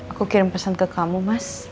aku kirim pesan ke kamu mas